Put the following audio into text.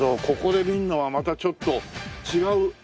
ここで見るのはまたちょっと違う。